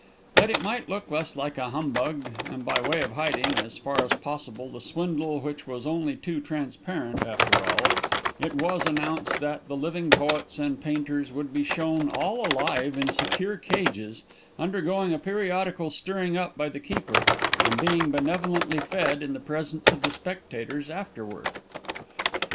That it might look less like a humbug, and by way of hiding, as far as possible, the swindle which was only too transparent, after all, it was announced that the living poets and painters would be shown all alive in secure cages, undergoing a periodical stirring up by the keeper, and being benevolently fed in the presence of the spectators afterward.